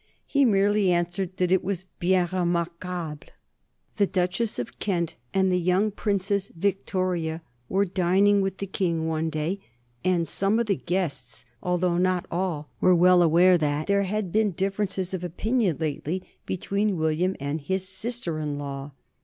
He merely answered that it was certainly "bien remarquable." The Duchess of Kent and the young Princess Victoria were dining with the King one day, and some of the guests, although not all, were well aware that there had been differences of opinion lately between William and his sister in law.